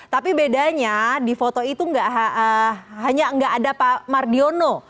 tapi bedanya di foto itu hanya nggak ada pak mardiono